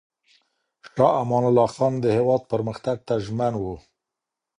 شاه امان الله خان د هېواد پرمختګ ته ژمن و.